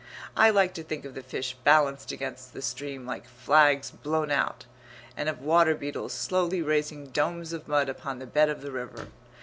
I like to think of the fish balanced against the stream like flags blown out; and of water beetles slowly raising domes of mud upon the bed of the river.